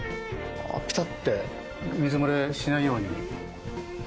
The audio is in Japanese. ピタッて水漏れしないように。